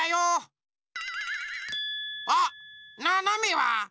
あっななめは？